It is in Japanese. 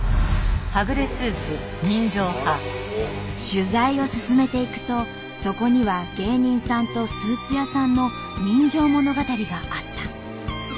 取材を進めていくとそこには芸人さんとスーツ屋さんの人情物語があった。